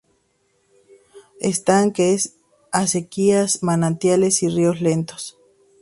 Estanques, acequias, manantiales y ríos lentos.